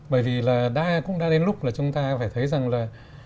bởi vì là cũng đã đến lúc là chúng ta phải thấy rằng là